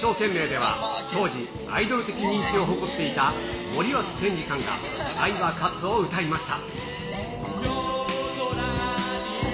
では、当時、アイドル的人気を誇っていた森脇健児さんが、愛は勝つを歌いました。